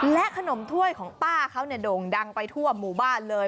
ขนมถ้วยของป้าเขาเนี่ยโด่งดังไปทั่วหมู่บ้านเลย